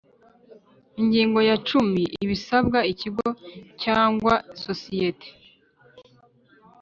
Ingingo ya cumi Ibisabwa ikigo cyangwa sosiyete